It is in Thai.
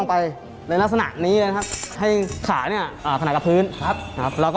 อันนี้คือท่าแรก